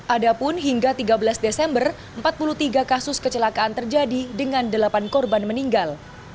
adapun hingga tiga belas desember empat puluh tiga kasus kecelakaan terjadi dengan delapan korban meninggal